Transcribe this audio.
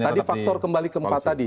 tadi faktor kembali ke pak tadi